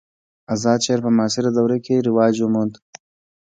آزاد شعر په معاصره دوره کښي رواج وموند.